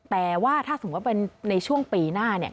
แต่ว่าถ้าสมมุติว่าเป็นในช่วงปีหน้า